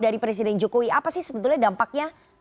dari presiden jokowi apa sih sebetulnya dampaknya